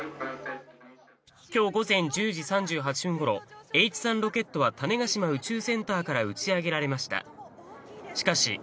きょう午前１０時３８分ごろ、Ｈ３ロケットは種子島宇宙センターから打ち上げられました。